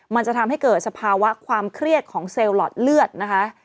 มันจะทำให้เกิดสภาวะความเครียดของเซลลอดเลือดนะคะ